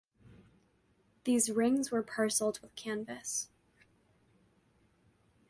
These rings were parcelled with canvas.